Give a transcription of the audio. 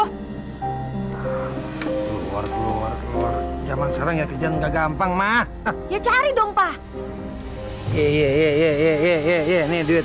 luar luar luar zaman sekarang ya kejadian nggak gampang mah ya cari dong pak iye iyoye ini duit